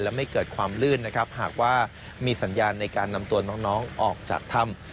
และไม่เกิดความลื่นนะครับหากว่ามีสัญญาณในการนำตัวน้องออกจากถ้ำ